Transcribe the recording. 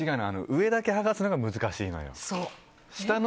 上だけはがすのが難しいのよ。